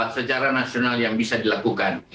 secara nasional yang bisa dilakukan